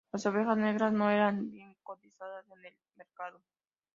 Las ovejas negras no eran bien cotizadas en el mercado.